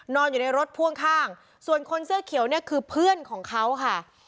นอนอยู่ในรถพ่วงข้างส่วนคนเสื้อเขียวเนี่ยคือเพื่อนของเขาค่ะ